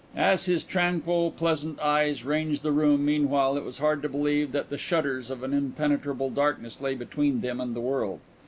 As his tranquil, pleasant eyes ranged the room meanwhile it was hard to believe that the shutters of an impenetrable darkness lay between them and the world.